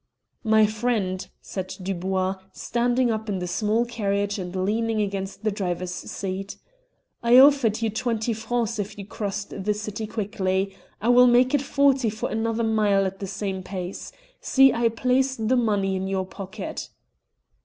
"My friend," said Dubois, standing up in the small carriage and leaning against the driver's seat, "I offered you twenty francs if you crossed the city quickly. I will make it forty for another mile at the same pace. See, I place the money in your pocket."